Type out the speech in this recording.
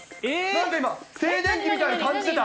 なんで今、静電気みたいなの感じてた。